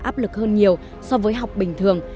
áp lực hơn nhiều so với học bình thường